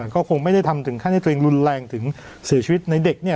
ก็คงไม่ได้ทำถึงขั้นให้ตัวเองรุนแรงถึงเสียชีวิตในเด็กเนี่ย